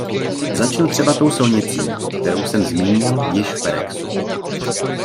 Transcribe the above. Začnu třeba tou silnicí, kterou jsem zmínil již v perexu.